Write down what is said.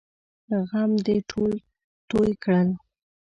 غم دې ټول توی کړل!